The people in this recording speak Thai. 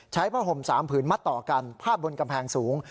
ผ้าห่ม๓ผืนมัดต่อกันพาดบนกำแพงสูง